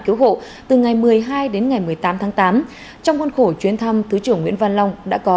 cứu hộ từ ngày một mươi hai đến ngày một mươi tám tháng tám trong khuôn khổ chuyến thăm thứ trưởng nguyễn văn long đã có